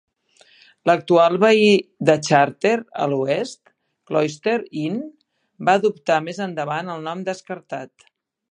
L'actual veí de Charter a l'oest, Cloister Inn, va adoptar més endavant el nom descartat.